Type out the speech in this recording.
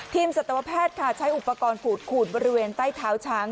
สัตวแพทย์ค่ะใช้อุปกรณ์ขูดขูดบริเวณใต้เท้าช้าง